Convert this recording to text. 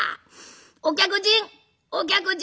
お客人お客人。